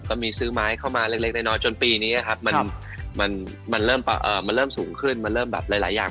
ก็มีซื้อไม้เข้ามาเล็กน้อยจนปีนี้ครับมันเริ่มสูงขึ้นมันเริ่มแบบหลายอย่าง